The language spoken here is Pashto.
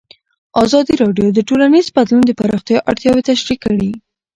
ازادي راډیو د ټولنیز بدلون د پراختیا اړتیاوې تشریح کړي.